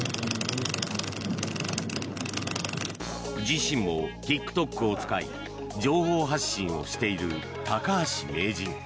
自身もＴｉｋＴｏｋを使い情報発信をしている高橋名人。